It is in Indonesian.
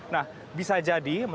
nah bisa jadi menyebutkan